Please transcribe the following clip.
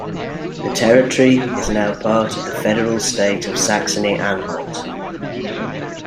The territory is now part of the federal state of Saxony-Anhalt.